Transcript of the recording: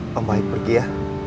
pembaik pergi ya